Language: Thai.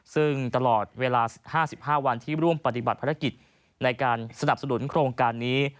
ซึ่งตลอดเวลา๕๕วันที่ร่วมปฏิบัติภารกิจในการสนับสนุนโครงการนี้